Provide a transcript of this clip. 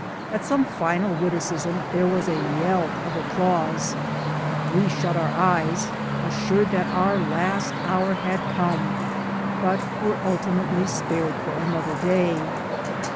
At some final witticism there was a yell of applause. We shut our eyes, assured that our last hour had come but were ultimately spared for another day.